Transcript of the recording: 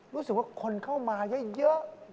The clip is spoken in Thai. รู้สึกว่าคนเข้ามาเยอะ